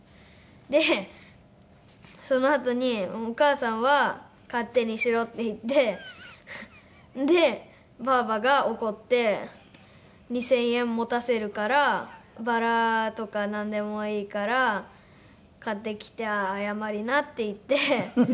でそのあとにお母さんは「勝手にしろ」って言ってでばあばが怒って「２０００円持たせるからバラとかなんでもいいから買ってきて謝りな」って言って。